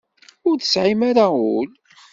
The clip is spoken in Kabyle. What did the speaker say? Ur tesɛim ara ul.